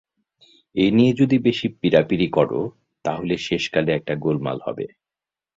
এ নিয়ে যদি বেশি পীড়াপীড়ি কর তা হলে শেষকালে একটা গোলমাল হবে।